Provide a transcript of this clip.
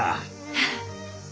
フッ。